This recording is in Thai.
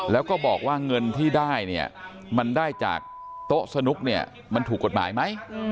แล้วก็บอกว่าเงินที่ได้เนี่ยมันได้จากโต๊ะสนุกเนี่ยมันถูกกฎหมายไหม